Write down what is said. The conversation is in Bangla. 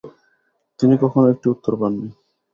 তিনি কখনও একটি উত্তর পাননি।